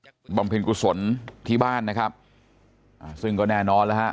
บำเพ็ญกุศลที่บ้านนะครับอ่าซึ่งก็แน่นอนแล้วฮะ